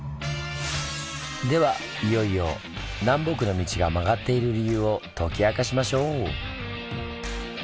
ではいよいよ南北の道が曲がっている理由を解き明かしましょう！